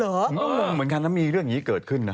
เหมือนกันนะมีเรื่องนี้เกิดขึ้น